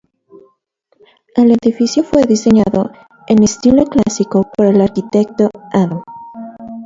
El edificio fue diseñado en estilo clásico por el arquitecto Adam.